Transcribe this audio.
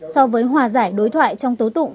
so với hòa giải đối thoại trong tố tụng